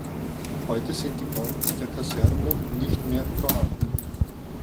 Heute sind die Bauten der Kaserne nicht mehr vorhanden.